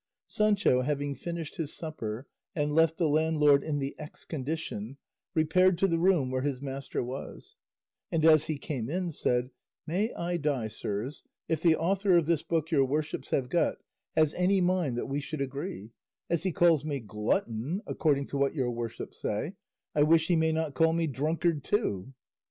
Sancho having finished his supper, and left the landlord in the X condition, repaired to the room where his master was, and as he came in said, "May I die, sirs, if the author of this book your worships have got has any mind that we should agree; as he calls me glutton (according to what your worships say) I wish he may not call me drunkard too."